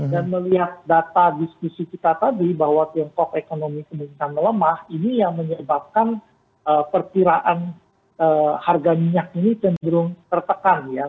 dan melihat data diskusi kita tadi bahwa tiongkok ekonomi kemungkinan melemah ini yang menyebabkan pertiraan harga minyak ini cenderung tertekan ya